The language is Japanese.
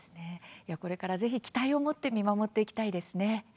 これからぜひ期待を持って見守っていきたいですね。